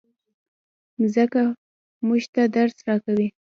مځکه موږ ته درس راکوي.